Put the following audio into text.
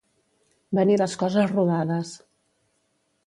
Venir les coses rodades.